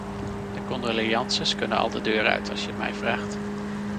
De condoleances kunnen al de deur uit, als je het mij vraagt.